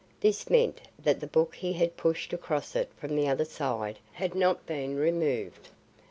This meant that the book he had pushed across it from the other side had not been removed.